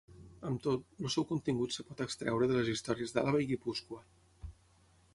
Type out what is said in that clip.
Amb tot, el seu contingut es pot extreure de les històries d'Àlaba i Guipúscoa.